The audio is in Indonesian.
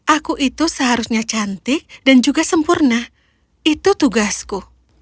aku itu seharusnya cantik dan juga sempurna itu tugasku